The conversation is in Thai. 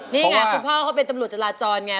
นี่ไงคุณพ่อเขาเป็นตำรวจจราจรไง